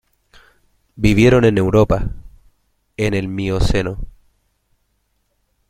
Vivieron en Europa en el Mioceno.